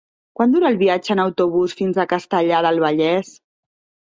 Quant dura el viatge en autobús fins a Castellar del Vallès?